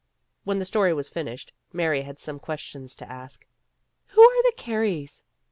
When the story was finished, Mary had some questions to ask. "Who are the Careys?